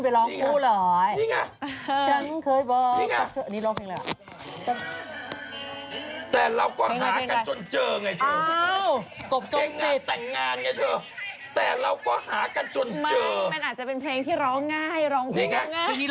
เป็นผมกลับกับเนื้อเพลงช่วงมันนี้